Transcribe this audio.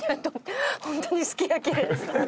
ホントにすき焼きです。